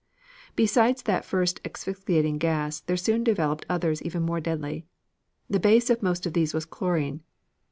Besides that first asphyxiating gas, there soon developed others even more deadly. The base of most of these was chlorine.